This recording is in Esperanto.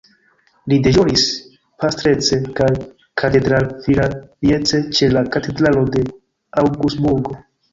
Li deĵoris pastrece kaj katedralvikariece ĉe la Katedralo de Aŭgsburgo.